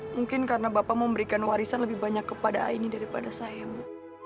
mungkin karena bapak memberikan warisan lebih banyak kepada aini daripada saya bu